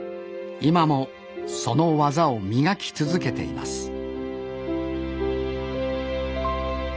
今もその技を磨き続けています